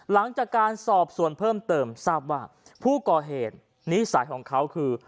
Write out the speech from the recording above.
หลังจากการสอบส่วนเพิ่มเติมทราบว่าผู้ก่อเหตุนิสัยของเขาคือ